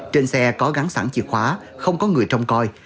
trên xe có gắn sẵn chìa khóa không có người trông coi